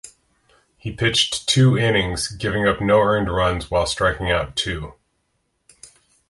He pitched two innings, giving up no earned runs while striking out two.